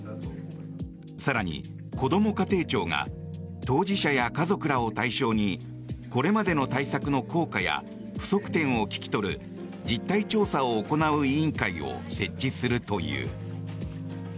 更にこども家庭庁が当事者や家族らを対象にこれまでの対策の効果や不足点を聞き取る実態調査を行う委員会を設置するという。